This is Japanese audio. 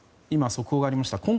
今、速報がありました。